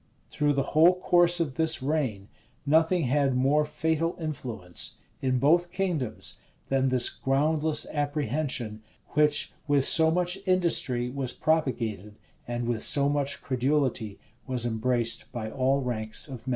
Through the whole course of this reign, nothing had more fatal influence, in both kingdoms, than this groundless apprehension, which with so much industry was propagated, and with so much credulity was embraced, by all ranks of men.